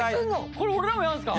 これ俺らもやるんですか？